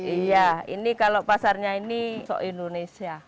iya ini kalau pasarnya ini kok indonesia